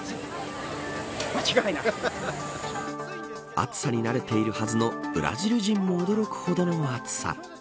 暑さに慣れているはずのブラジル人も驚くほどの暑さ。